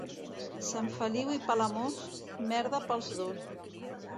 Sant Feliu i Palamós, merda pels dos.